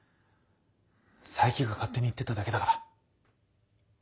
佐伯が勝手に言ってただけだから。